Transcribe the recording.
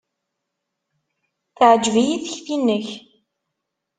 Teɛjeb-iyi tekti-nnek.